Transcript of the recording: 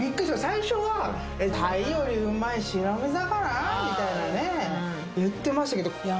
最初は鯛よりうまい白身魚？みたいなね言ってましたけどいや